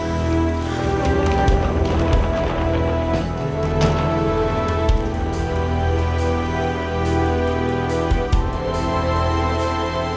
jatuhkan semua keadaan